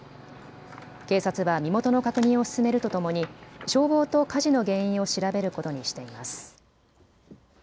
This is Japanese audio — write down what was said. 警察は身元の確認を進めるとともに消防と火事の原因を調べることにしています。